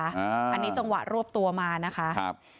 อันนี้จังหวะรวบตัวมานะคะ